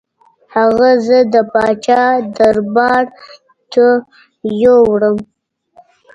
هغه زه د پاچا دربار ته یووړم.